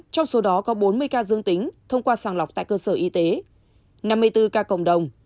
trong số đó có bốn mươi ca dương tính thông qua sàng lọc tại cơ sở y tế năm mươi bốn ca cộng đồng